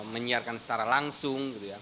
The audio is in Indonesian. menyiarkan secara langsung